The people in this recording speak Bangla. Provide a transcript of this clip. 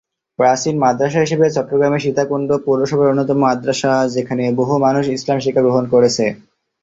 প্রাচীন মাদ্রাসা হিসাবে চট্টগ্রামের সীতাকুণ্ড পৌরসভার অন্যতম মাদ্রাসা, যেখানে বহু মানুষ ইসলাম শিক্ষা গ্রহণ করেছে।